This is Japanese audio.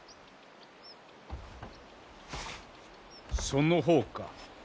その方か。